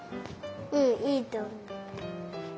うんいいとおもう。